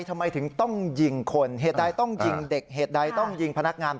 เข้ามาสู่ห้องแถลงค่าว